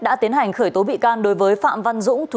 đã tiến hành khởi tố bị can đối với phạm văn dũng